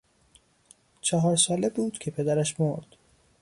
چهار ساله بود که پدرش مرد.